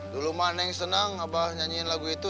dulu mah neng senang nyanyiin lagu itu